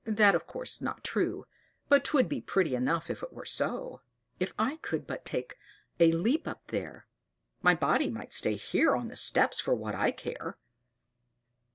That's, of course, not true: but 'twould be pretty enough if it were so. If I could but once take a leap up there, my body might stay here on the steps for what I care."